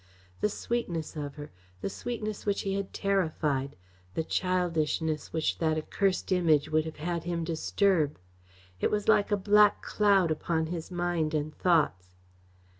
The sweetness of her, the sweetness which he had terrified, the childishness which that accursed Image would have had him disturb! It was like a black cloud upon his mind and thoughts.